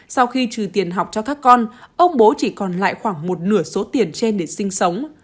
sau khi trừ tiền học cho các con ông bố chỉ còn lại khoảng một nửa số tiền trên để sinh sống